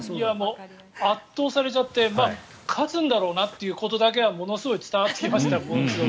圧倒されちゃって勝つんだろうなということだけはものすごい伝わってきました。